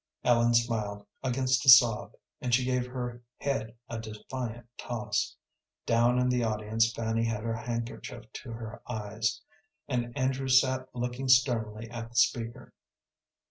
Ellen smiled against a sob, and she gave her head a defiant toss. Down in the audience Fanny had her handkerchief to her eyes, and Andrew sat looking sternly at the speaker.